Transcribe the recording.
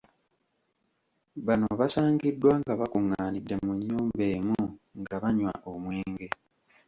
Bano basangiddwa nga bakungaanidde mu nnyumba emu nga banywa omwenge.